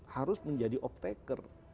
harus menjadi uptaker